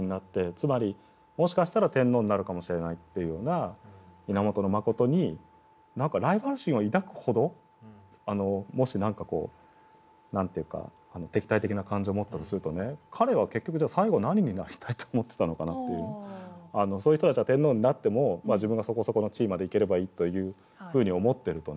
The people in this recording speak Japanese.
つまりもしかしたら天皇になるかもしれないというような源信に何かライバル心を抱くほどもし何て言うか敵対的な感情を持ったとするとねそういう人たちが天皇になっても自分はそこそこの地位までいければいいというふうに思ってるとね